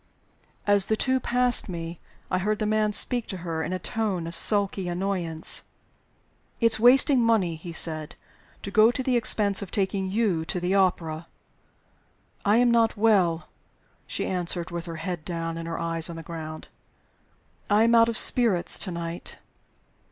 As the two passed me, I heard the man speak to her in a tone of sulky annoyance. "It's wasting money," he said, "to go to the expense of taking you to the opera." "I am not well," she answered with her head down and her eyes on the ground. "I am out of spirits to night."